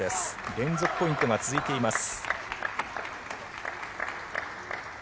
連続ポイントが続いています。